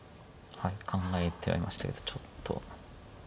はい考えてはいましたけどちょっと。